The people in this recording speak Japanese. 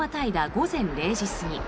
午前０時過ぎ